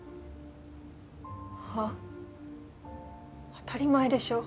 当たり前でしょ。